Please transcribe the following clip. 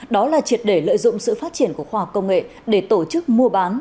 đó là triệt để lợi dụng sự phát triển của khoa học công nghệ để tổ chức mua bán